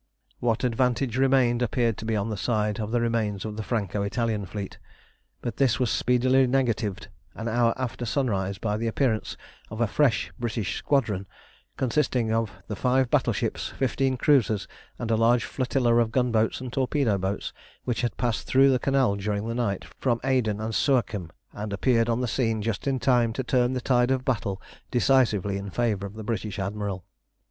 What advantage remained appeared to be on the side of the remains of the Franco Italian fleet; but this was speedily negatived an hour after sunrise by the appearance of a fresh British Squadron, consisting of the five battleships, fifteen cruisers, and a large flotilla of gunboats and torpedo boats which had passed through the Canal during the night from Aden and Suakim, and appeared on the scene just in time to turn the tide of battle decisively in favour of the British Admiral.